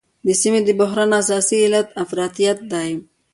د سیمې د بحران اساسي علت افراطیت دی.